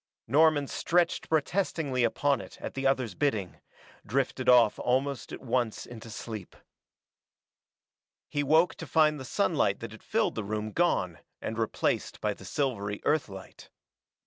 Norman stretched protestingly upon it at the other's bidding, drifted off almost at once into sleep. He woke to find the sunlight that had filled the room gone and replaced by the silvery Earth light.